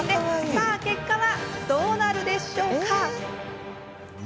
さあ、結果はどうなるでしょうか。